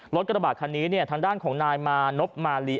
รถกระบาดคันนี้เนี่ยทางด้านของนายมณพมารี